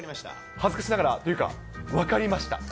恥ずかしながら、というか、分かりました。